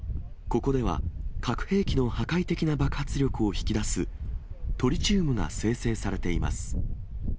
ここでは、核兵器の破格的な爆発力を引き出すトリチウムが生成されています。